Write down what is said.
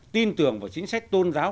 tin tưởng vào chính sách tôn giáo